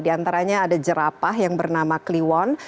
di antaranya ada jerapah yang bernama kliwon